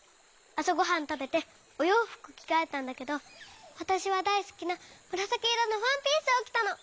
あさごはんたべておようふくきがえたんだけどわたしはだいすきなむらさきいろのワンピースをきたの。